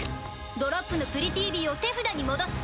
ドロップのプリティヴィーを手札に戻す！